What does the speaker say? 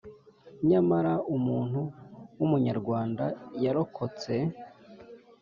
Nyamara umuntu w’Umunyarwanda yarokotse